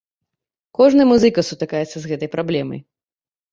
Кожны музыка сутыкаецца з гэтай праблемай.